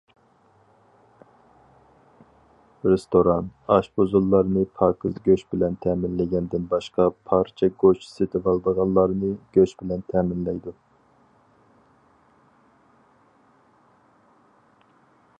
رېستوران، ئاشپۇزۇللارنى پاكىز گۆش بىلەن تەمىنلىگەندىن باشقا پارچە گۆش سېتىۋالىدىغانلارنى گۆش بىلەن تەمىنلەيدۇ.